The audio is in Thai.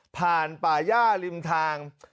ผ่านป่าย่าริมทาง